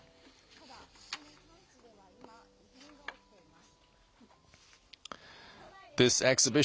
ただ、その産地では、今今、異変が起きています。